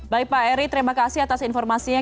baik pak eri terima kasih atas informasinya